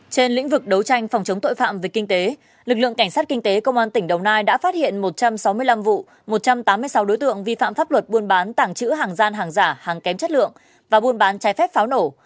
trên lĩnh vực đấu tranh phòng chống tội phạm về kinh tế lực lượng cảnh sát kinh tế công an tỉnh đồng nai đã phát hiện một trăm sáu mươi năm vụ một trăm tám mươi sáu đối tượng vi phạm pháp luật buôn bán tàng trữ hàng gian hàng giả hàng kém chất lượng và buôn bán trái phép pháo nổ